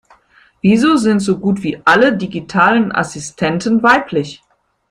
Wieso sind so gut wie alle digitalen Assistenten weiblich?